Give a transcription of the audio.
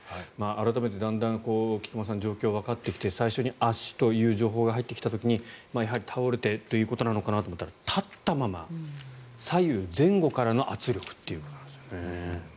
改めて、だんだん菊間さん状況がわかってきて最初に圧死という情報が入ってきた時にやはり倒れてということなのかと思ったら立ったまま、左右前後からの圧力ということなんですよね。